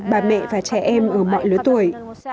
bà mẹ và trẻ em ở mọi lứa tuổi